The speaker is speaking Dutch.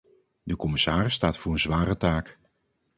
De commissaris staat voor een zware taak.